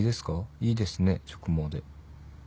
いいですね直毛で。